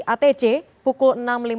atc pukul enam lima puluh